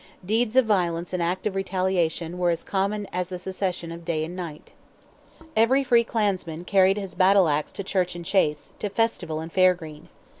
Deeds of violence and acts of retaliation were as common as the succession of day and night. Every free clansman carried his battle axe to church and chase, to festival and fairgreen.